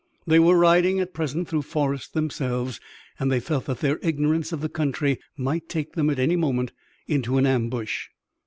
They were riding at present through forests themselves, and they felt that their ignorance of the country might take them at any moment into an ambush.